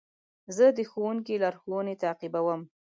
زه د ښوونکي لارښوونې تعقیبوم.